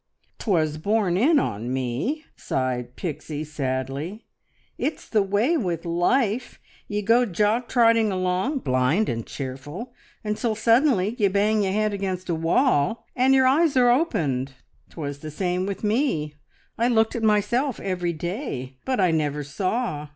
"'Twas borne in on me!" sighed Pixie sadly. "It's the way with life; ye go jog trotting along, blind and cheerful, until suddenly ye bang your head against a wall, and your eyes are opened! 'Twas the same with me. I looked at myself every day, but I never saw.